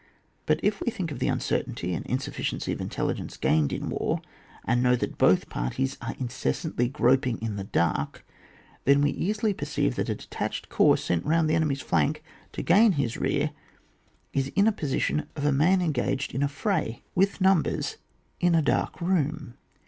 But if we think of the uncertainty and insufficiency of intelHgence gained in war, and know that both parties are incessantly groping in tlie dark, then we easily perceive that a detached corps sent round the enemy's flank to gain his rear is in the posi tion of a man engaged in a firay with CHAP. XXIV.] OPERATING AGAINST A FLANK. 159 numbers in a dark room.